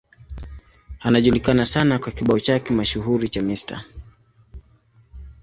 Anajulikana sana kwa kibao chake mashuhuri cha Mr.